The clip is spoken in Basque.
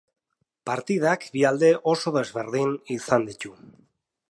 Partidak bi alde oso desberdin izan ditu.